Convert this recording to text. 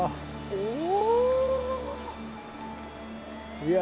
お。